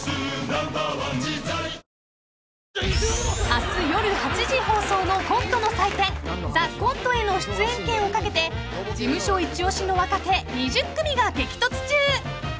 ［明日夜８時放送のコントの祭典『ＴＨＥＣＯＮＴＥ』への出演権を懸けて事務所一押しの若手２０組が激突中］